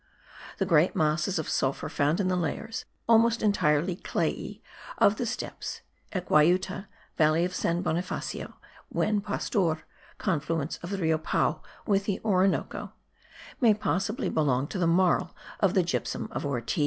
The great masses of sulphur found in the layers, almost entirely clayey, of the steppes (at Guayuta, valley of San Bonifacio, Buen Pastor, confluence of the Rio Pao with the Orinoco) may possibly belong to the marl of the gypsum of Ortiz.